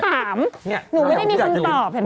หนูไม่ได้มีคนตอบเห็นไหม